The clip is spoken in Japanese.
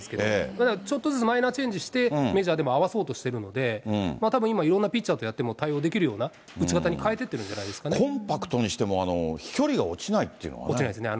だからちょっとずつマイナーチェンジして、メジャーでも合わそうとしているので、たぶん今、いろんなピッチャーとやっても対応できるような打ち方に変えてっコンパクトにしても、飛距離落ちないですね。